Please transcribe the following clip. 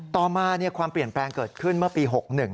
ต่อมาความเปลี่ยนแปลงเกิดขึ้นเมื่อปี๖๑